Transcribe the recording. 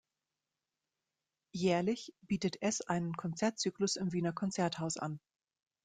Jährlich bietet es einen Konzertzyklus im Wiener Konzerthaus an.